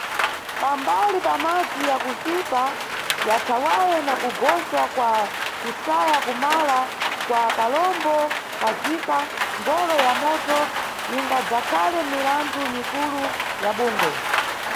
Pambali pamadzi ya kuswipa ya thawale na kugoswa kwa kusaya kumala kwa kalombo kaZika, ngolo ya moto ingadzakhale mirandu mikulu ya bungwe.